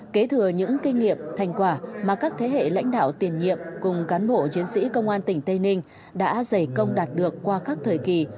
kế thừa những kinh nghiệm thành quả mà các thế hệ lãnh đạo tiền nhiệm cùng cán bộ chiến sĩ công an tỉnh tây ninh đã dày công đạt được qua các thời kỳ